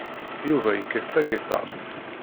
Yuba yekkat tagiṭart.